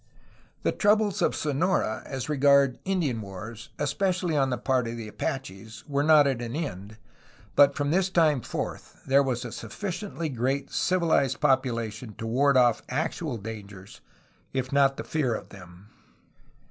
The troubles of Sonora as regards Indian wars, especially on the part of the Apaches, were not at an end, but from this time forth there was a sufficiently great civilized population to ward off actual dangers, if not the fear of them.